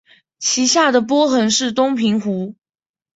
其下的波纹是东平湖。